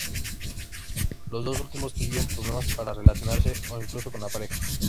Los dos últimos tuvieron problemas para relacionarse o incluso con la pareja.